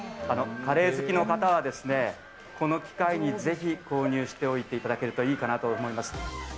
カレー好きの方は、この機会にぜひ、購入しておいていただけるといいかなと思います。